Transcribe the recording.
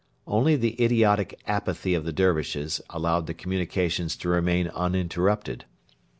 Only the idiotic apathy of the Dervishes allowed the communications to remain uninterrupted.